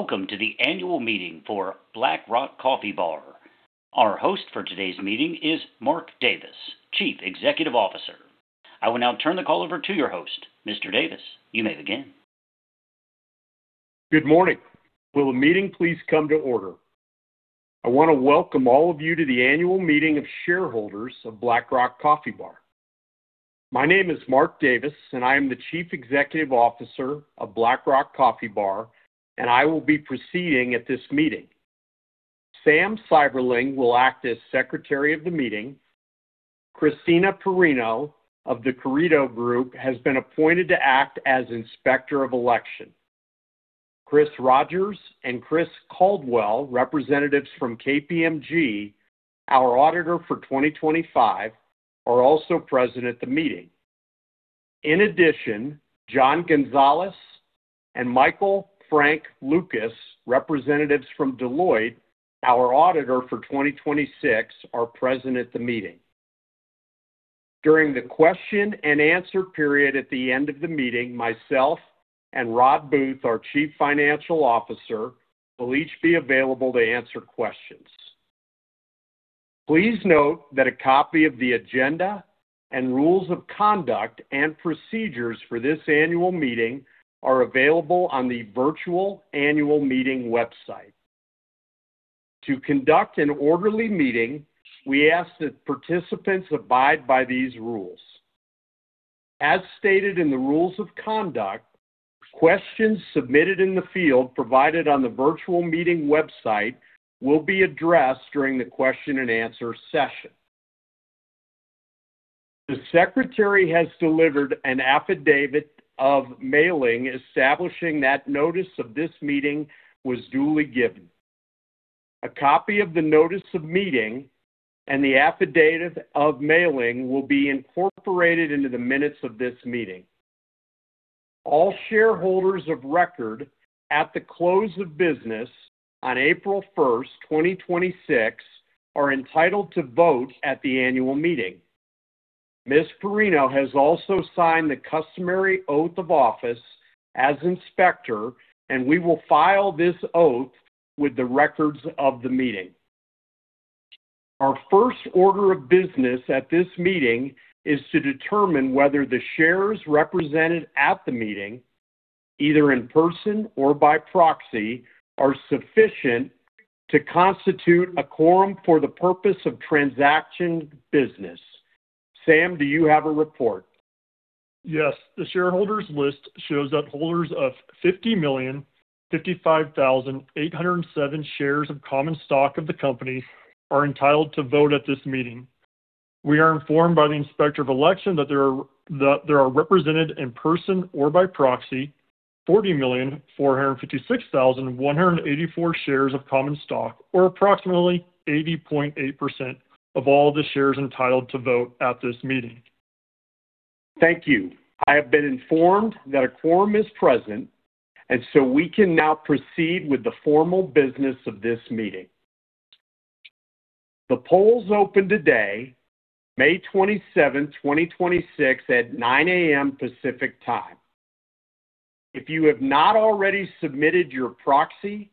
Welcome to the annual meeting for Black Rock Coffee Bar. Our host for today's meeting is Mark Davis, Chief Executive Officer. I will now turn the call over to your host. Mr. Davis, you may begin. Good morning. Will the meeting please come to order? I want to welcome all of you to the annual meeting of shareholders of Black Rock Coffee Bar. My name is Mark Davis, and I am the Chief Executive Officer of Black Rock Coffee Bar, and I will be proceeding at this meeting. Sam Seiberling will act as Secretary of the meeting. Christina Perino of The Carideo Group has been appointed to act as Inspector of Election. Chris Rogers and Chris Caldwell, representatives from KPMG, our auditor for 2025, are also present at the meeting. In addition, John Gonzalez and Michael Frank Lucas, representatives from Deloitte, our auditor for 2026, are present at the meeting. During the question and answer period at the end of the meeting, myself and Rodd Booth, our Chief Financial Officer, will each be available to answer questions. Please note that a copy of the agenda and rules of conduct and procedures for this annual meeting are available on the virtual annual meeting website. To conduct an orderly meeting, we ask that participants abide by these rules. As stated in the rules of conduct, questions submitted in the field provided on the virtual meeting website will be addressed during the question and answer session. The Secretary has delivered an affidavit of mailing establishing that notice of this meeting was duly given. A copy of the notice of meeting and the affidavit of mailing will be incorporated into the minutes of this meeting. All shareholders of record at the close of business on April 1st, 2026, are entitled to vote at the annual meeting. Ms. Perino has also signed the customary oath of office as Inspector, and we will file this oath with the records of the meeting. Our first order of business at this meeting is to determine whether the shares represented at the meeting, either in person or by proxy, are sufficient to constitute a quorum for the purpose of transacting business. Sam, do you have a report? Yes. The shareholders list shows that holders of 50,055,807 shares of common stock of the company are entitled to vote at this meeting. We are informed by the Inspector of Election that there are represented in person or by proxy 40,456,184 shares of common stock, or approximately 80.8% of all the shares entitled to vote at this meeting. Thank you. I have been informed that a quorum is present, we can now proceed with the formal business of this meeting. The polls opened today, May 27, 2026, at 9:00 A.M. Pacific Time. If you have not already submitted your proxy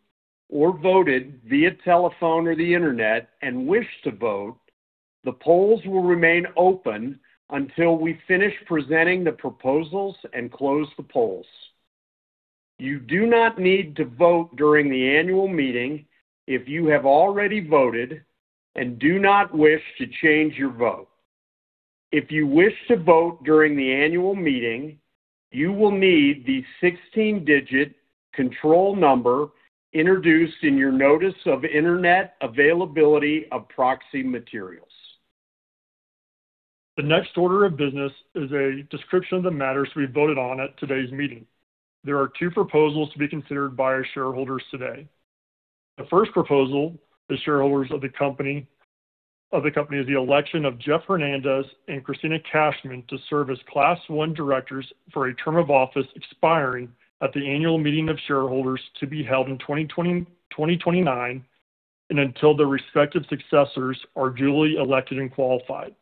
or voted via telephone or the Internet and wish to vote, the polls will remain open until we finish presenting the proposals and close the polls. You do not need to vote during the annual meeting if you have already voted and do not wish to change your vote. If you wish to vote during the annual meeting, you will need the 16-digit control number introduced in your notice of Internet availability of proxy materials. The next order of business is a description of the matters to be voted on at today's meeting. There are two proposals to be considered by our shareholders today. The first proposal to shareholders of the company is the election of Jeff Hernandez and Kristina Cashman to serve as Class 1 directors for a term of office expiring at the annual meeting of shareholders to be held in 2029 and until their respective successors are duly elected and qualified.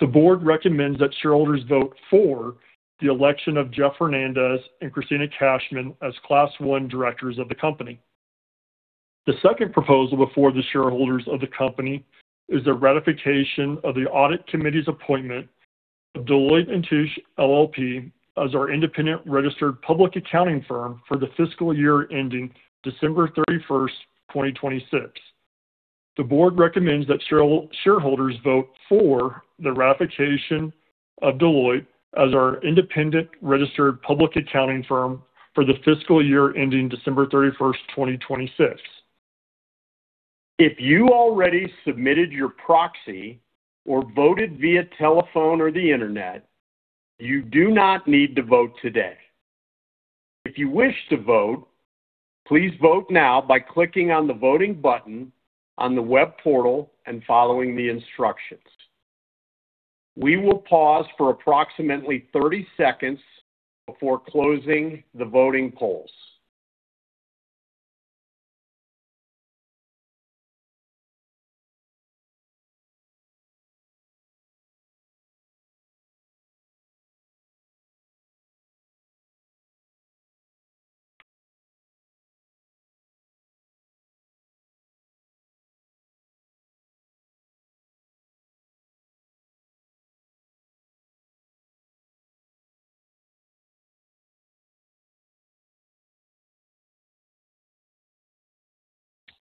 The board recommends that shareholders vote for the election of Jeff Hernandez and Kristina Cashman as Class 1 directors of the company. The second proposal before the shareholders of the company is the ratification of the audit committee's appointment of Deloitte & Touche LLP as our independent registered public accounting firm for the fiscal year ending December 31st, 2026. The board recommends that shareholders vote for the ratification of Deloitte as our independent registered public accounting firm for the fiscal year ending December 31st, 2026. If you already submitted your proxy or voted via telephone or the Internet, you do not need to vote today. If you wish to vote, please vote now by clicking on the voting button on the web portal and following the instructions. We will pause for approximately 30 seconds before closing the voting polls.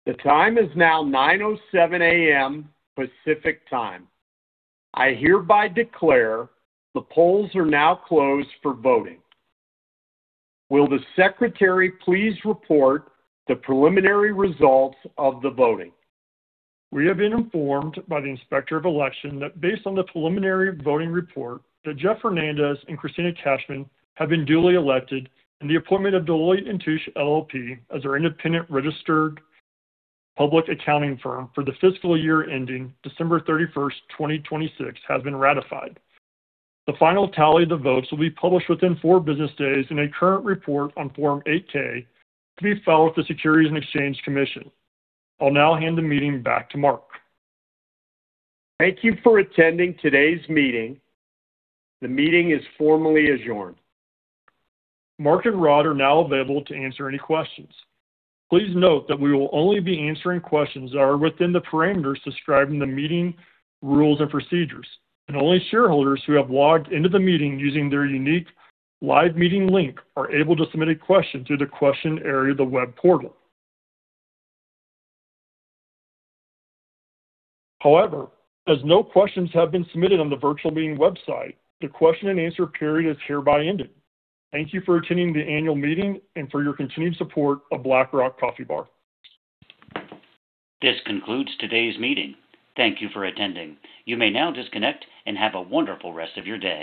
The time is now 9:07 A.M. Pacific Time. I hereby declare the polls are now closed for voting. Will the secretary please report the preliminary results of the voting? We have been informed by the Inspector of Election that based on the preliminary voting report, that Jeff Hernandez and Kristina Cashman have been duly elected, and the appointment of Deloitte & Touche LLP as our independent registered public accounting firm for the fiscal year ending December 31st, 2026, has been ratified. The final tally of the votes will be published within four business days in a current report on Form 8-K to be filed with the Securities and Exchange Commission. I'll now hand the meeting back to Mark. Thank you for attending today's meeting. The meeting is formally adjourned. Mark and Rod are now available to answer any questions. Please note that we will only be answering questions that are within the parameters described in the meeting rules and procedures, and only shareholders who have logged into the meeting using their unique live meeting link are able to submit a question through the question area of the web portal. However, as no questions have been submitted on the virtual meeting website, the question and answer period is hereby ended. Thank you for attending the annual meeting and for your continued support of Black Rock Coffee Bar. This concludes today's meeting. Thank you for attending. You may now disconnect and have a wonderful rest of your day.